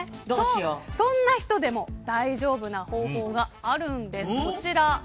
そんな人でも大丈夫な方法があるんです。